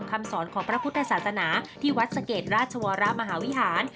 คำสอนของพระพุทธศาสนาที่วัดสะเกดราชวรมหาวิหาร